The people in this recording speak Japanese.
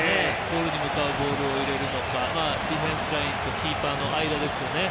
ゴールに向かうボールを入れるかディフェンスラインとキーパーの間ですよね。